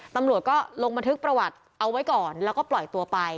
ตำรวจก็ลงบันทึกประวัติเอาไว้ก่อนแล้วก็ปล่อยตัวไป